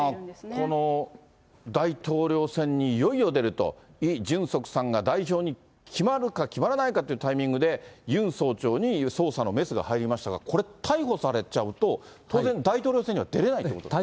この大統領選にいよいよ出ると、イ・ジュンソクさんが代表に決まるか決まらないかっていうタイミングで、ユン総長に捜査のメスが入りましたが、これ、逮捕されちゃうと、当然大統領選には出れないということですか？